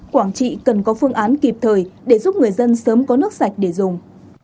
quảng trị cần có phương án kịp thời để giúp người dân sớm có nước sạch để dùng